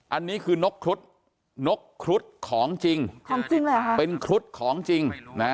อันนี้คือนกครุฑนกครุฑของจริงเป็นครุฑของจริง